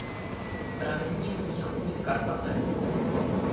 Pramení ve Východních Karpatech.